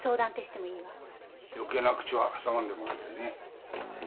余計な口は挟まんでもらいたいね。